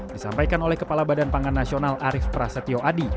disampaikan oleh kepala badan pangan nasional arief prasetyo adi